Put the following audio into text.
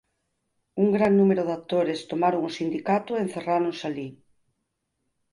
Un gran número de actores tomaron o sindicato e encerráronse alí.